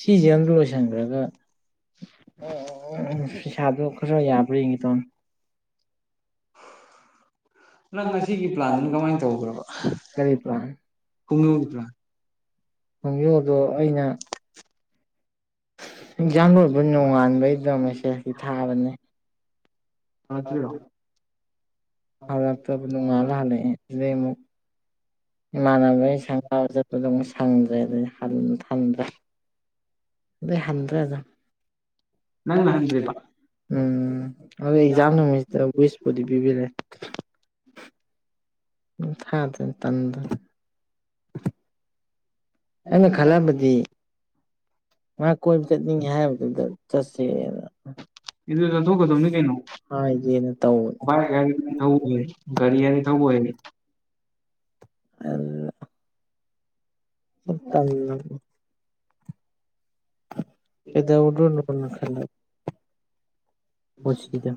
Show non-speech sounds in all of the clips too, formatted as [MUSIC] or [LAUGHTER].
ꯁꯤꯁꯦ ꯑ ꯂꯣꯏꯁꯟꯈ꯭ꯔꯒ ꯄꯩꯁꯥꯗꯣ ꯈꯔ ꯌꯥꯕ꯭ꯔꯥ ꯌꯦꯒꯤꯇꯣ ꯅꯪ ꯉꯁꯤꯒꯤ ꯄ꯭ꯂꯥꯟꯗꯨꯅ ꯀꯃꯥꯏꯅ ꯇꯧꯈ꯭ꯔꯕ ꯈꯣꯡꯒꯧꯒꯤ ꯄ꯭ꯂꯥꯟ ꯈꯣꯡꯖꯨꯗꯣ ꯑꯩꯅ ꯑꯦꯟꯖꯥꯡ ꯂꯕꯨ ꯅꯣꯡꯉꯥꯟꯕꯩꯗꯣ ꯃꯁꯦ ꯁꯤ ꯊꯥꯕꯅꯦ ꯑ ꯊꯔꯣ ꯍꯂꯇ ꯅꯨꯡꯉꯥꯂ ꯍꯜꯂꯦꯑꯦ ꯂꯩꯦ ꯑꯃꯨꯛ ꯏꯃꯥꯟꯅꯕꯒꯤ ꯁꯪꯒꯥꯎꯕ ꯆꯠꯄꯗꯝ ꯁꯪꯗ꯭ꯔꯦ ꯑꯗꯩ ꯊꯟꯗ꯭ꯔꯦ ꯍꯥꯟꯗ ꯎꯝꯖꯅꯁ ꯁ ꯄꯗꯤ ꯄꯕꯤꯔ ꯎ ꯊ ꯑꯗꯨ ꯇꯗ ꯑꯩꯅ ꯈꯜꯂꯝꯕꯗꯤ ꯃꯥ ꯀꯣꯏ ꯆꯠꯅꯤꯡꯉꯦ ꯍꯥꯏ ꯑꯗꯨ ꯆꯠꯊꯣꯛꯀꯗꯕꯅꯤ ꯀꯩꯅꯣ ꯕꯥꯏꯛ ꯍꯥꯏꯔꯦ ꯑꯗꯨꯝ ꯊꯧꯕꯍꯩ ꯒꯥꯔꯤ ꯍꯥꯏꯔꯦ ꯊꯧꯕ ꯍꯩ ꯑ ꯇꯜꯂꯕ ꯀꯩꯗꯧꯔꯨꯗꯣꯏꯅꯣ ꯀꯣꯁꯀꯤꯗ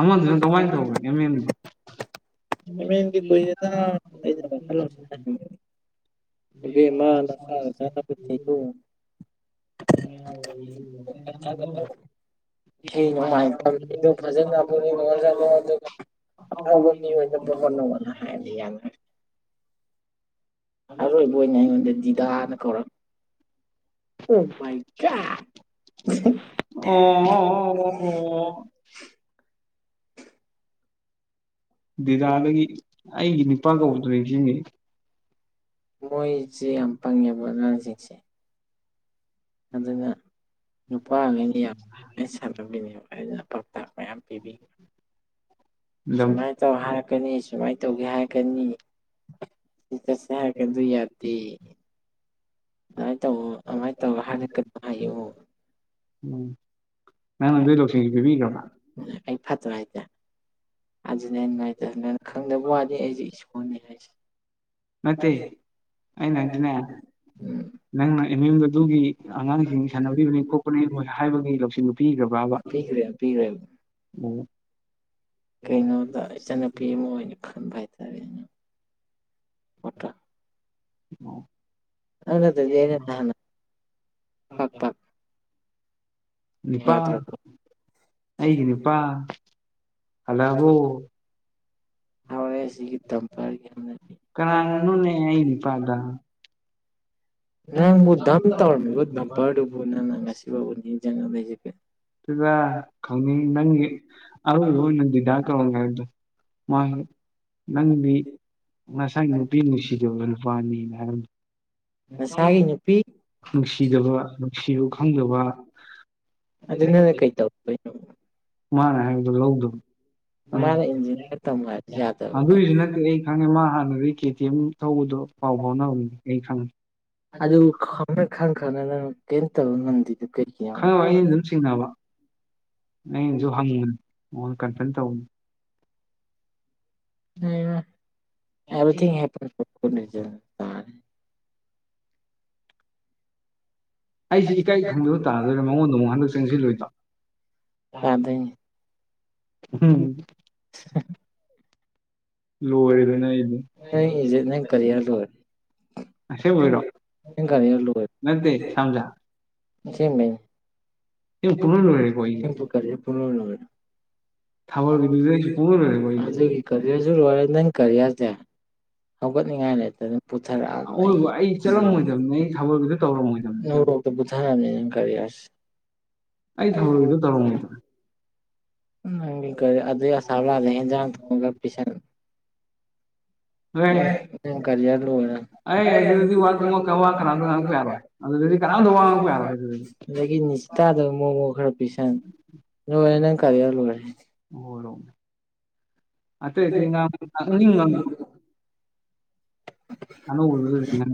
ꯑꯃꯗꯨꯅ ꯀꯃꯥꯏꯅ ꯇꯧꯒꯦ ꯑꯦꯝ ꯑꯦꯝꯗꯣ ꯑꯦꯝ ꯑꯦꯝ ꯗꯤ ꯀꯨꯏꯔꯦꯗ ꯅ [UNINTELLIGIBLE] ꯑꯗꯨꯕꯨ ꯅꯪ ꯑꯔꯣꯏꯕ ꯑꯣꯏꯅ ꯑꯩꯉꯣꯟꯗ ꯗꯤꯗꯥꯅ ꯀꯧꯔꯛ ꯑꯝꯃꯨ [UNINTELLIGIBLE] ꯗꯤꯗꯥꯗꯒꯤ ꯑꯩꯒꯤ ꯅꯤꯄꯥ ꯀꯧꯕꯗꯣ ꯅꯤꯡꯁꯤꯡꯉꯦ ꯑꯗꯨꯅ ꯅꯨꯄꯥ ꯒꯩꯅ ꯌꯥꯝ ꯑꯩ ꯁꯥꯟꯅꯕꯤꯅꯦꯕ ꯑꯗꯨꯅ ꯄꯥꯎꯇꯥꯛ ꯃꯌꯥꯝ ꯄꯤꯕꯤꯕ ꯁꯨꯃꯥꯏꯅ ꯇꯧ ꯍꯥꯏꯔꯛꯀꯅꯤ ꯁꯨꯃꯥꯏꯅ ꯇꯧꯒꯦ ꯍꯥꯏꯔꯛꯀꯅꯤ ꯆꯠꯁꯦ ꯍꯥꯏꯔꯒ ꯌꯥꯗꯦ ꯑꯗꯨꯃꯥꯏꯅ ꯇꯧꯑꯣ ꯑꯗꯨꯃꯥꯏꯅ ꯇꯧꯔ ꯍꯥꯏꯅꯛꯀ ꯍꯥꯏꯌꯣ ꯎꯝ ꯅꯪꯅ ꯅꯨꯡꯁꯤꯔꯗꯤ ꯄꯤꯕꯤꯈꯔꯣꯗꯅ ꯑꯗꯨꯅꯦ ꯅꯨꯡꯉꯥꯏꯇꯕ ꯅꯅ ꯈꯪꯗꯕ ꯋꯥꯅꯤ ꯑꯩꯁꯦ ꯏꯁꯣꯔꯅꯤ ꯍꯥꯏꯁꯦ ꯎꯝ ꯑ [UNINTELLIGIBLE] ꯑꯗꯨꯒꯤ ꯑꯉꯥꯡꯁꯤꯡ ꯁꯥꯟꯅꯕꯤꯕꯅꯤ ꯈꯣꯠꯄꯅꯤ ꯍꯥꯏꯕꯒꯤ ꯂꯧꯁꯤꯡꯗꯨ ꯄꯤꯈ꯭ꯔꯕ꯭ꯔꯕ ꯀꯩꯅꯣꯗ ꯏꯆꯟꯅꯨꯄꯤ ꯑꯃ ꯑꯣꯏꯅ ꯈꯟꯕ ꯍꯥꯏꯗ ꯄꯣꯠꯇꯣ ꯑꯣ ꯍꯗ ꯑꯗꯨꯗꯤꯅꯦ ꯅꯅ ꯄꯥꯛ ꯄꯥꯛ ꯌꯥ ꯍꯔꯦ ꯁꯤꯒꯤ ꯇꯔ ꯁꯤꯗ ꯈꯪꯅꯤꯡ ꯅꯪꯒꯤ ꯑꯔꯣꯏꯕ ꯑꯣꯏꯅ ꯗꯤꯗꯥ ꯀꯧꯔꯝ ꯍꯥꯏꯕꯗꯣ ꯃꯥ ꯅꯪꯗꯤ ꯃꯁꯥꯏ ꯅꯨꯄꯤ ꯅꯨꯡꯁꯤꯗꯕ ꯅꯨꯄꯥꯅꯤꯅ ꯑꯝ ꯅꯨꯡꯁꯤꯗꯕ ꯅꯨꯡꯁꯤꯕ ꯈꯪꯗꯕ ꯃꯥꯅ ꯍꯥꯏꯕꯗꯣ ꯂꯧꯗꯕ ꯑꯗꯨꯒꯤꯁꯨ ꯅꯠꯇꯦ ꯑꯩ ꯈꯪꯉꯦ ꯃꯥ ꯈꯦꯇꯤꯦꯝ ꯊꯧꯕꯣ ꯄꯥꯎꯕꯣꯅ ꯎ ꯑꯩ ꯈ ꯀꯇ ꯅꯗꯤꯗꯨ ꯀ ꯅꯥꯪꯏꯁꯨ ꯉꯨ ꯃꯉꯣꯟꯗꯥ ꯀꯟꯁꯦꯟ ꯇꯧ ꯑꯦꯚ ꯑꯩꯁꯤ ꯏꯀꯥꯏ ꯈꯪꯗꯕ ꯇꯥꯔꯗꯣꯏ ꯃꯉꯣꯟꯗ ꯑꯃꯨꯛ ꯍꯟꯗꯛ ꯆꯪꯁꯤꯜꯂꯣꯏꯗꯣ ꯅ ꯀꯌꯔ ꯂ ꯂ ꯄꯨ ꯂ ꯑꯖꯤ ꯀꯁꯨ ꯔ ꯀꯌꯥ ꯆꯦ ꯍꯧꯒꯠꯅꯤꯡꯉꯥꯏ ꯂꯩꯇ ꯑꯗꯨꯝ ꯄꯨꯊꯔꯛꯑꯃꯦ ꯑꯩ ꯅꯣꯔꯣꯛꯇ ꯄꯨꯊꯔꯅꯤꯅ ꯀꯔꯤꯁꯤ [UNINTELLIGIBLE] ꯅꯪ ꯀꯔꯤꯦ ꯑꯗꯨ ꯑꯁꯥꯕ ꯂꯥꯑꯗ ꯍꯦꯟꯖꯥꯡ ꯄꯁꯟ ꯅꯪ ꯀꯔꯤꯌꯥ ꯂꯣꯏꯔ ꯑꯗꯒꯤ ꯅꯤꯁꯤ ꯇꯥꯗꯕ ꯃꯣꯃꯣ ꯈꯔ ꯄꯤꯁꯟ ꯂꯣꯏꯔꯦ ꯅꯪ ꯀꯔꯤꯌꯥꯦ [UNINTELLIGIBLE] ꯑꯅꯑꯧꯕꯗꯨꯗꯥ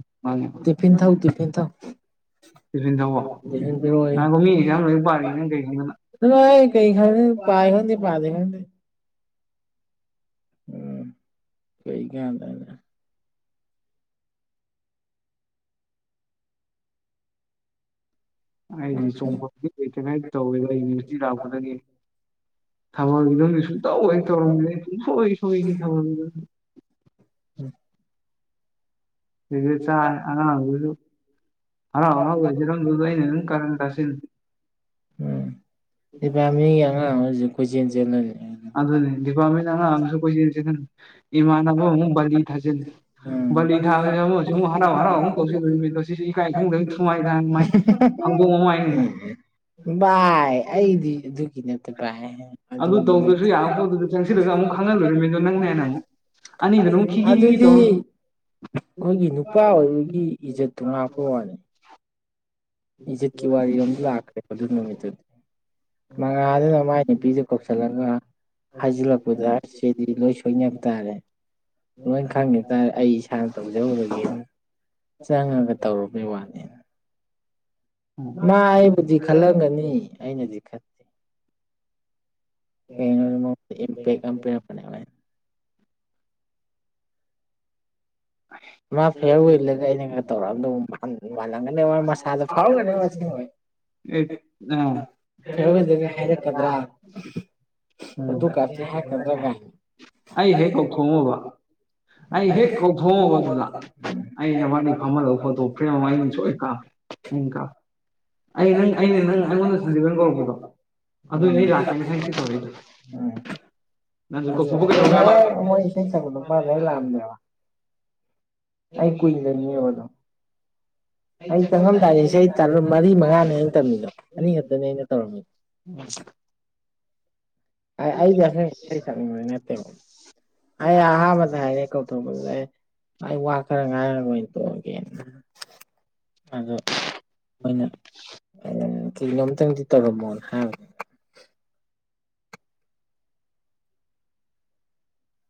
ꯆꯂꯥꯍꯦ ꯀꯩ ꯀꯅꯒꯗꯅ ꯇꯥꯏ ꯀꯅꯒꯤ ꯇꯥꯗꯦ ꯈꯪꯗꯦ ꯎꯝ ꯀꯩ ꯀꯌꯥꯗꯅ ꯑꯩꯁꯤ ꯆꯣꯡꯊ ꯇꯧꯋꯦꯗꯇꯤ ꯂꯥꯛꯄꯗꯅꯤ ꯊꯃꯜꯗꯣꯗꯤ ꯁꯨꯡ ꯇꯧ ꯇꯧꯔꯝꯒ ꯁꯨꯡꯁꯣꯏ ꯁꯣꯏꯅꯤ ꯊꯃꯜꯗ ꯎꯝ ꯖ ꯝ ꯀꯔꯁꯤ ꯍꯧꯖꯤ ꯈꯣꯏꯖꯦꯜ ꯆꯦꯜꯂ ꯑꯗꯨꯅꯦꯗꯤꯄꯥ ꯑꯃꯁꯁꯨꯣꯏ ꯏꯃꯥꯟꯅꯕ ꯑꯃꯨꯛ ꯕꯥꯂꯤ ꯊꯥꯖꯤꯟ ꯕꯥꯂꯤ ꯊꯥꯨ ꯑꯃꯨꯛ ꯍꯔꯥꯎ ꯍꯔꯥꯎ ꯑꯃꯨꯛ ꯇꯧꯁꯤꯜꯂꯣꯔꯤꯕꯅꯤꯣ ꯁꯤꯁꯨ ꯏꯀꯥꯏ ꯈꯪꯗ ꯁꯨꯃꯥꯏ ꯃꯥꯏ ꯍꯪꯗꯣꯡꯥꯏꯅꯤꯅ ꯄꯥꯏ ꯑꯗꯨ ꯇꯧꯗꯁꯨ ꯌꯥꯕ ꯄꯣ ꯑꯗꯨꯗ ꯆꯪꯁꯤꯜꯂꯒ ꯑꯃꯨꯛ ꯈꯪꯍꯜꯂꯨꯔꯤꯃꯤꯗꯣ ꯅꯪꯅꯦ ꯍꯥꯏꯅ ꯑꯃꯨꯛ ꯑꯗꯨꯗꯤ ꯑꯩꯈꯣꯏꯒꯤ ꯅꯨꯄꯥ ꯑꯣꯏꯕꯒꯤ ꯏꯖꯠꯇꯣ ꯉꯥꯛꯄ ꯋꯥꯅꯤ ꯏꯖꯤꯠꯀꯤ ꯋꯥꯔꯤꯔꯣꯝꯗ ꯂꯥꯛꯈ꯭ꯔꯦ ꯑꯗꯨ ꯅꯨꯃꯤꯠꯇꯨꯗꯤ ꯃꯉꯥꯗꯨꯅ ꯃꯥꯏ ꯅꯨꯄꯤꯗꯨ ꯀꯧꯁꯤꯜꯂꯒ ꯍꯥꯏꯖꯤꯜꯂꯛꯄꯗ ꯁꯤꯦꯗꯤ ꯂꯣꯏ ꯁꯣꯏꯅꯕ ꯇꯥꯔꯦ ꯂꯣꯏ ꯈꯪꯉꯦꯕ ꯇꯥꯔꯦ ꯑꯩ ꯏꯁꯥꯅ ꯇꯧꯖꯔꯨꯔꯒꯦꯅ ꯆꯪꯉꯒ ꯇꯧꯔꯕꯩ ꯋꯥꯅꯦꯅ ꯃꯥ ꯑꯩꯕꯨꯗꯤ ꯈꯜꯂꯝꯒꯅꯤ ꯑꯩꯅꯗꯤ ꯈꯠꯇꯦ ꯀꯔꯅꯤ ꯃꯥ ꯐꯤꯌꯥꯔ ꯋꯦꯜꯂꯒ ꯑꯩꯅ ꯉꯒ ꯇꯧꯔꯛꯑꯝꯗ ꯑꯦ ꯑꯥ ꯑꯩ ꯍꯦꯛ ꯀꯥꯎꯊꯣꯛꯉꯕ ꯑꯩ ꯍꯦꯛ ꯀꯥꯎꯊꯣꯛꯉꯕ ꯑꯗꯨꯅ ꯑꯩꯅ ꯃꯥꯅꯤ ꯐꯃ ꯐꯣ ꯇꯣ ꯐ꯭ꯔ ꯑ ꯀꯥ ꯀꯥ ꯁꯒꯗ ꯃꯥꯗ ꯂꯗꯦ ꯑ ꯀꯨꯏ ꯂꯩꯅꯤꯕꯗ ꯑꯩ ꯆꯪꯉꯝꯗꯥꯥꯔꯦꯁ ꯑꯩ ꯇꯔ ꯃꯔꯤ ꯃꯉꯥꯅꯦ ꯑꯩꯅ ꯇꯝꯃꯤꯗꯣ ꯑꯅꯤ ꯈꯛꯇꯅꯦ ꯑꯩꯅ ꯇꯧꯔꯝꯃꯤ ꯑꯩ ꯑꯩꯗꯤ ꯑꯁ ꯏꯁꯩ ꯁꯛꯅꯤꯡꯕꯩ ꯅꯠꯇꯦꯕ ꯑꯩ ꯑꯍꯥꯟꯕꯗ ꯍꯥꯏꯔꯦ ꯀꯧꯊꯣꯛꯄꯗꯨꯗ ꯑꯩ ꯑꯩ ꯋꯥ ꯈꯔ ꯉꯥꯏꯔ ꯂꯣꯏ ꯇꯣꯛꯑꯒꯦꯅ ꯑꯗꯣ ꯑꯩꯅ ꯀꯅꯣ ꯑꯝꯇꯪꯗꯤ ꯇꯧꯔꯝꯃꯣꯅ ꯍꯥꯏꯕ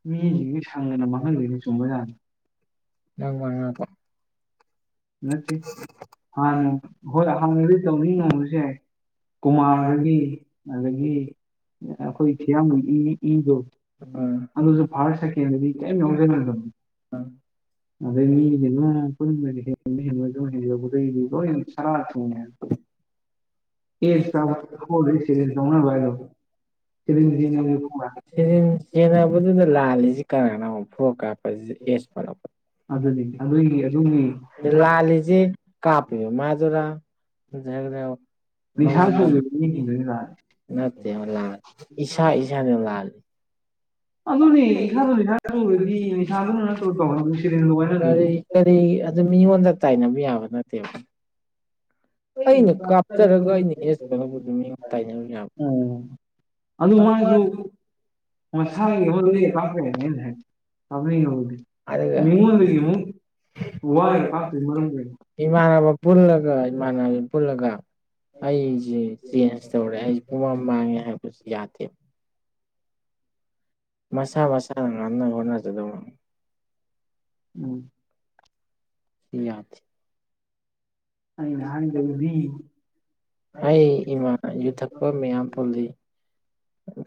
ꯃꯤꯦꯖꯤꯛ ꯁꯪꯅ ꯅꯃꯅ ꯁꯣꯡꯕ ꯅꯠꯇꯦ ꯍꯥꯟꯅ ꯍꯣꯏ ꯍꯥꯟꯅꯗꯤ ꯇꯧꯅꯤꯡ ꯅꯁꯦ ꯀꯨꯃꯥꯔꯗꯒꯤ ꯑꯗꯒꯤ ꯑꯩꯈꯣꯏ ꯊꯤꯌꯥꯝꯕꯒꯤ ꯏ ꯏꯗꯣ ꯑꯗꯨꯅꯁꯨ ꯐꯥꯔ ꯁꯀꯤꯦꯗꯤ ꯀ ꯍꯧꯖ ꯅ ꯑꯗꯨꯦ ꯃꯤꯅꯦꯂ ꯄꯨꯟ ꯃꯗꯤ ꯇ ꯍꯃ ꯍ ꯍꯥꯏꯖ ꯏꯟꯁꯔ ꯁ ꯀꯥꯔ ꯦꯟꯅꯕꯗꯨꯅ ꯂꯥꯜꯂꯤꯁꯤ ꯀ ꯅ ꯐ꯭ꯔꯣ ꯀꯥ ꯐꯔ ꯂꯂꯤꯖꯦ ꯀꯥꯄꯣ ꯃꯥꯖꯨꯔ ꯖꯦꯒꯅꯦ ꯅꯤꯁꯥꯟꯁꯨ ꯑꯣꯏꯗꯅꯤ ꯏꯁꯥ ꯏꯥ ꯃ ꯂꯥꯂꯦ ꯑꯗꯨꯅꯤ ꯏꯁꯥꯗ [UNINTELLIGIBLE] ꯇꯥꯏꯅꯕ ꯌꯥꯕ ꯅꯠꯇꯦꯕ ꯎꯝ ꯑꯗꯨ ꯃꯥꯁꯨ ꯑꯗꯨꯒ ꯏꯃꯥꯟꯅꯕ ꯄꯨꯜꯂꯒ ꯏꯃꯥꯟꯅꯕ ꯄꯨꯜꯂꯒ ꯑꯩꯁꯤꯦ ꯆꯦꯟꯖ ꯇꯧꯔꯦ ꯑꯩꯁꯦ ꯄꯨꯃ ꯃꯥꯡꯉꯦ ꯍꯥꯏꯕꯁꯦ ꯌꯥ ꯊꯦ ꯃꯁꯥ ꯃꯁꯥꯅ ꯉꯥꯡꯅ ꯍꯣꯠꯅꯖꯗꯧꯕ ꯎꯝ ꯌꯦ ꯑ ꯌꯥꯅꯤꯗ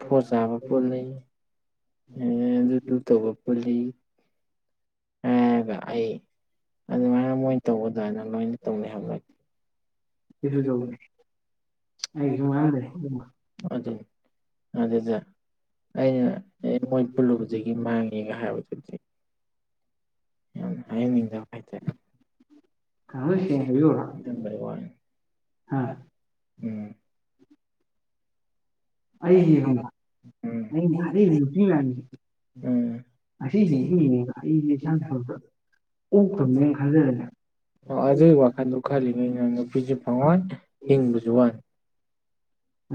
ꯐꯣꯠ ꯆꯥꯕ ꯄꯣꯠꯅꯩ ꯑꯦ ꯑꯗꯨꯗꯨ ꯇꯧꯕ ꯐꯜꯂꯤ ꯍꯒ ꯑꯗꯨꯃꯥꯏꯅ ꯃꯣꯏ ꯇꯧꯕꯗꯅ ꯂꯣꯏꯅ ꯇꯧꯅꯩ ꯍꯂꯛꯇꯦ ꯀꯁꯨ ꯆꯧꯅꯤ ꯑꯗꯨ ꯑꯗꯨꯗ ꯑꯩꯅ ꯃꯣꯏ ꯄꯨꯜꯂꯨꯕꯗꯒꯤ ꯃꯥꯡꯉꯦꯒ ꯍꯥꯏꯕꯗꯨꯗꯤ ꯌꯥꯝ ꯍꯥꯏꯌꯦꯡꯅꯤꯡꯗ ꯍꯥꯏꯔ ꯋꯥꯟ ꯑꯩ ꯌꯦꯡꯉꯕ ꯑꯩꯅ ꯍꯥꯏ ꯅꯨꯄꯤ ꯃꯌꯥꯝꯁꯦ ꯉꯁꯤꯁꯤꯡꯁꯤ ꯌꯦꯡꯉꯒ ꯑꯩ ꯂꯩꯁꯥꯡ ꯐꯥꯎꯗ ꯑꯣꯛ ꯊꯧꯅꯦꯅ ꯈꯟꯖꯔꯅꯦꯕ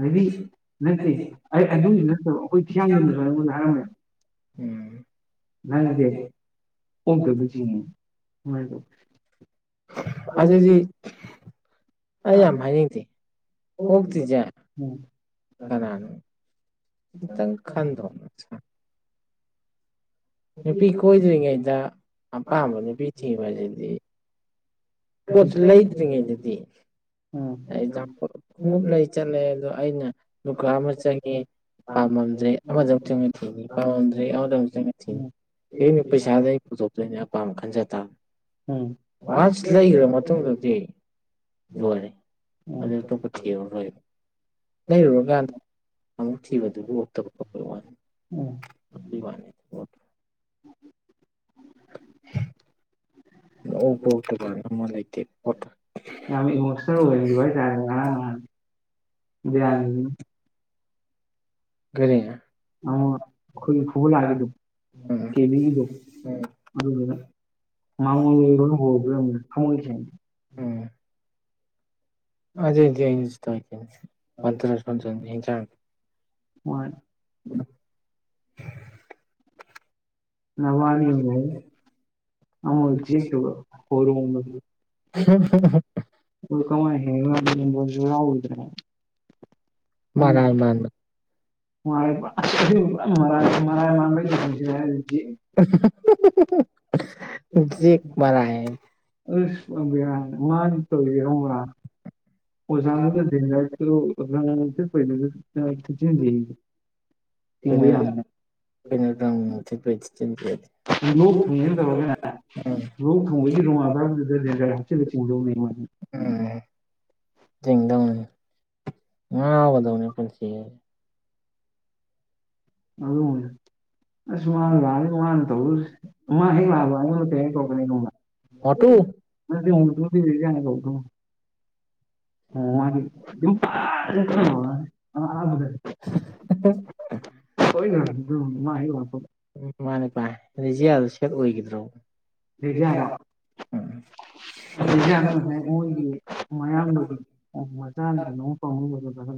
ꯑꯗꯨꯗꯤ ꯅꯠꯇꯦ ꯑꯩ ꯑꯗꯨꯁꯨ ꯅꯠꯇꯕ ꯑꯩꯈꯣꯏ ꯊꯤꯌꯥꯡꯒꯗꯁꯨ ꯅꯉꯣꯟ ꯍꯥꯏꯔꯝꯃꯦ ꯂꯔꯤꯁꯦ ꯑꯣꯛꯇꯕ ꯆꯤꯡꯉꯦ ꯍꯝ ꯑꯖꯤꯖꯤ ꯑꯩ ꯌꯥꯝ ꯍꯥꯏꯅꯤꯡꯗꯦ ꯑꯣꯇ꯭ꯔꯤꯖꯦ ꯀꯅꯥꯅꯣ ꯈꯤꯇꯪ ꯈꯟꯗꯣ ꯔꯄꯤꯤꯛ ꯍꯣꯏꯗꯣꯏꯔꯤꯥꯏꯗ ꯑꯄꯥꯃꯅꯤ ꯄꯤꯊꯤ ꯋꯥꯖꯤꯗꯤ ꯀꯆ ꯂꯩ ꯊꯦꯗꯤ ꯑꯩ ꯈꯣꯡꯎꯞ ꯂꯩ ꯆꯠꯂꯦ ꯑꯗꯣ ꯑꯩꯅ ꯂꯀꯥ ꯑꯃ ꯆꯪꯉꯤ ꯄꯥꯝꯃꯝꯗ꯭ꯔꯦ ꯑꯃꯗ ꯑꯃꯨꯛ ꯆꯪꯉ ꯊꯤꯅꯤ ꯄꯥꯝꯃꯝꯗ꯭ꯔꯦ ꯑꯃꯗ ꯑꯃꯨꯛ ꯆꯪꯉ ꯊꯤꯅꯤ ꯀꯔꯤ ꯄꯩꯁꯥꯗ ꯑꯩ ꯄꯨꯊꯣꯛꯇꯣꯏꯅꯦ ꯑꯄꯥꯝꯕ ꯈꯟꯖ ꯇꯥꯕ ꯋꯥꯟꯁ ꯂꯩꯈ꯭ꯔ ꯃꯇꯨꯡꯗꯗꯤ ꯂꯣꯏꯔꯦ ꯑꯅꯤ ꯇꯣꯛꯄ ꯊꯣ ꯔꯣ ꯂꯩꯔꯨꯔꯀꯥꯟꯗ ꯑꯃꯨꯛ ꯊꯤꯕꯗꯨꯇꯕ ꯋꯥꯅꯤ ꯋꯥꯅꯤ [INAUDIBLE] ꯑꯣꯄꯛꯇ ꯑꯃ ꯂꯩꯥꯏꯗꯤ ꯐꯠꯇ ꯌꯥ ꯃ ꯈ ꯈꯕ ꯂꯗ ꯇꯦꯕꯤꯗ ꯑꯗꯨ ꯃꯃ ꯍ ꯊ ꯑꯗꯨ ꯃꯔ ꯍ ꯅꯕꯥꯅꯤ ꯀ ꯑꯣꯏ ꯀꯃ ꯍꯉ [UNINTELLIGIBLE] [UNINTELLIGIBLE] [UNINTELLIGIBLE] ꯑꯣꯖꯥꯒꯤ ꯀꯟꯇꯦꯅꯔ ꯂꯨ [UNINTELLIGIBLE] ꯀꯩꯅ ꯀꯩꯅ ꯔꯝꯁꯤꯠꯕꯗꯤ [UNINTELLIGIBLE] ꯉꯥ ꯎꯒꯗꯧꯅꯦ ꯄꯨꯜꯁꯤ ꯑꯖꯦ ꯑꯗꯨ ꯑꯁ ꯃꯥꯅ ꯂꯥꯛꯑꯅꯤ ꯃꯥꯅ ꯇꯧꯔ ꯃꯥ ꯍꯦꯛ ꯂꯥꯛꯑ ꯂꯅꯤ ꯍꯦꯛ ꯇꯧꯅꯤ ꯇꯧꯗ ꯑꯣ ꯃꯥꯗ ꯍꯣꯏꯅ ꯎ ꯍ ꯋꯥꯣ ꯎ ꯃꯥꯅꯦ ꯃꯥꯥꯏ ꯦꯖꯤꯌꯥꯗ ꯁꯦꯠ ꯑꯣꯏꯈꯤꯗ꯭ꯔꯣ ꯔꯦꯖꯤꯌꯥ ꯔꯣ [UNINTELLIGIBLE] ꯃꯣꯏꯒꯤ ꯃꯌꯥꯝꯕꯒꯤ ꯃꯆꯥꯒꯤ [UNINTELLIGIBLE] ꯎꯝ ꯍ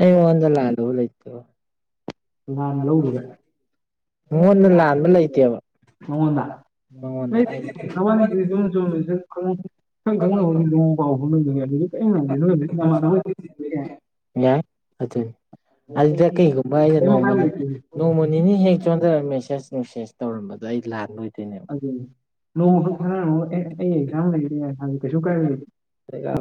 ꯑꯩ ꯃꯉꯣꯟꯗ ꯂꯥꯟꯅ ꯂꯧꯕ ꯂꯩꯇꯦ ꯂꯥꯟ ꯂꯧꯔꯨꯔꯦ ꯉꯣꯟꯗ ꯎ ꯊ ꯆꯨꯝ ꯁꯪ ꯏꯪ ꯈꯪꯅ ꯍꯧ ꯅꯣꯡ ꯀꯥꯎꯅꯦ ꯑꯗꯨ ꯀꯔꯤ ꯉꯗ ꯅ ꯅꯃꯥꯟꯅꯕ ꯑꯗꯨꯗ ꯀꯩꯒꯨꯝꯕ ꯑꯩꯅ ꯅꯣ ꯡꯃ ꯅꯤꯅꯤ ꯍꯦꯛ ꯍꯖꯔ ꯃꯦꯁꯦ ꯁ ꯅꯨꯡꯁꯦꯁ ꯇꯧꯔꯝꯕꯗꯣ ꯑꯩ ꯂꯥꯟꯗꯣꯏꯅꯦ ꯑꯗꯨ ꯅꯣꯡꯃꯈꯛ ꯊꯥꯅꯔꯝꯃꯒ ꯑꯦ ꯑꯩ ꯑꯦꯛꯖꯥꯝ ꯂꯩꯕꯅꯤ ꯊ ꯒ [UNINTELLIGIBLE]